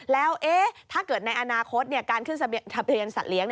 แล้วถ้าเกิดในอนาคตการขึ้นทะเบียนสัตว์เลี้ย